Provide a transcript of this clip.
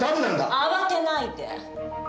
慌てないで。